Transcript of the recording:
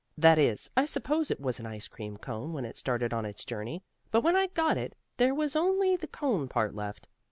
That is, I suppose it was an ice cream cone when it started on its journey, but when I got it there was only the cone part left.